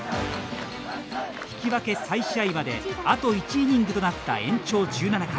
引き分け再試合まであと１イニングとなった延長１７回。